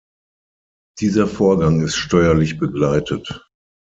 Dieser Vorgang ist steuerlich begleitet.